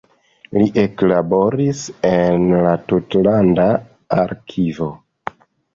Li eklaboris en la tutlanda arkivo.